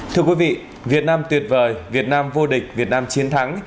thưa quý vị việt nam tuyệt vời việt nam vô địch việt nam chiến thắng